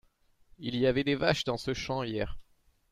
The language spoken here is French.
Il y avait des vaches dans ce champ hier.